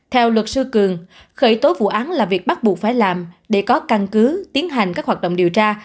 theo luật sư cường khởi tố vụ án là việc bắt buộc phải làm để có căn cứ tiến hành các hoạt động điều tra